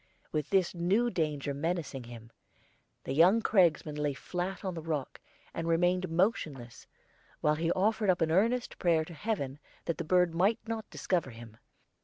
With this new danger menacing him, the young cragsman lay flat down on the rock, and remained motionless, while he offered up an earnest prayer to Heaven that the bird might not discover him.